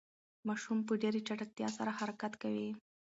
ماشوم په ډېرې چټکتیا سره حرکت کوي.